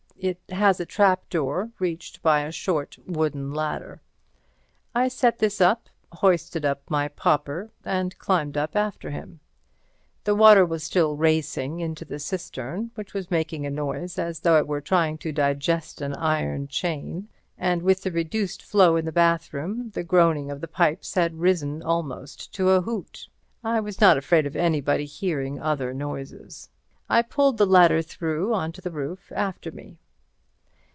It has a trapdoor, reached by a short, wooden ladder. I set this up, hoisted up my pauper and climbed up after him. The water was still racing into the cistern, which was making a noise as though it were trying to digest an iron chain, and with the reduced flow in the bathroom the groaning of the pipes had risen almost to a hoot. I was not afraid of anybody hearing other noises. I pulled the ladder through on to the roof after me.